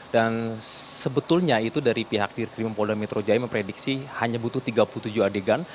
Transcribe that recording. dan sebetulnya itu dari pihak krim polda metro jaya memprediksi hanya butuh tiga puluh tujuh adegan